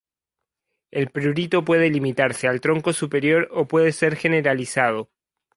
El prurito puede limitarse al tronco superior o puede ser generalizado.